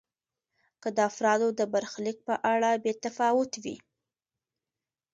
که د افرادو د برخلیک په اړه بې تفاوت وي.